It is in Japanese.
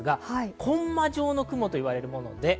コンマ状の雲と言われるものです。